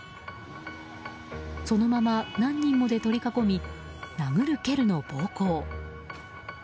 そのまま何人もで取り囲み殴る蹴るの暴行。